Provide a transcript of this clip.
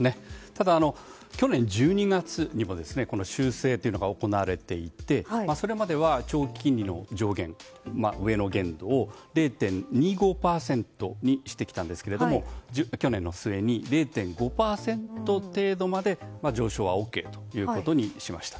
ただ、去年１２月にもこの修正が行われていてそれまでは長期金利の上限上の限度を０．２５％にしてきたんですが去年の末に０．５％程度まで上昇はＯＫということにしました。